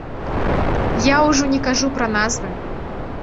Я ужо не кажу пра назвы.